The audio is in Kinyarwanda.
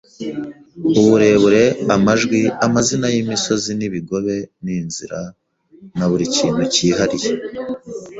uburebure, amajwi, amazina y'imisozi n'ibigobe n'inzira, na buri kintu cyihariye